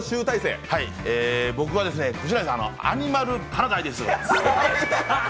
僕はアニマルパラダイスです。